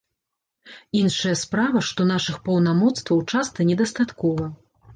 Іншая справа, што нашых паўнамоцтваў часта недастаткова.